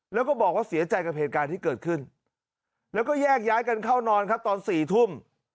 แล้วก็บอกว่าเสียใจกับเหตุการณ์ที่เกิดขึ้นแล้วก็แยกย้ายกันเข้านอนครับตอน๔ทุ่ม